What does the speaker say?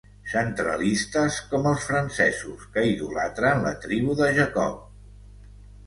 Centralistes com els francesos que idolatren la tribu de Jacob.